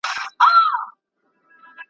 سترګي د رقیب دي سپلنی سي چي نظر نه سي `